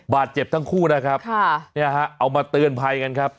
บาดเจ็บทั้งคู่นะครับเนี่ยฮะเอามาเตือนภัยกันครับ